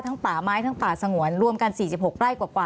ป่าไม้ทั้งป่าสงวนรวมกัน๔๖ไร่กว่า